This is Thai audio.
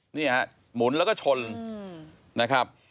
เนี่ยหมุนแล้วก็ชนนะครับ